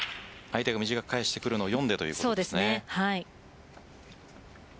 相手が短く返してくるのを読んでというところですね。